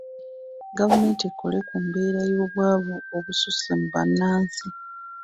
Gavumenti ekole ku mbeera y’obwavu obususse mu bannansi.